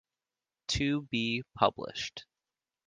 To be published.